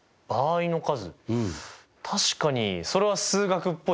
確かにそれは数学っぽいですね。